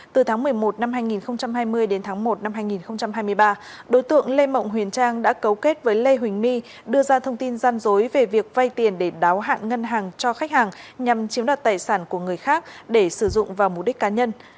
từ tháng một mươi một năm hai nghìn hai mươi đến tháng một năm hai nghìn hai mươi ba đối tượng lê mộng huyền trang đã cấu kết với lê huỳnh my đưa ra thông tin gian dối về việc vay tiền để đáo hạn ngân hàng cho khách hàng nhằm chiếm đoạt tài sản của người khác để sử dụng vào mục đích cá nhân